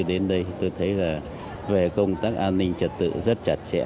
để bảo vệ trật tự an toàn cho du khách